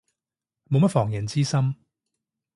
冇乜防人之心